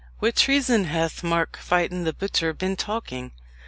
What treason hath Mark Fytton, the butcher, been talking?"